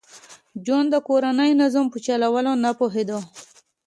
جون د کورني نظام په چلولو نه پوهېده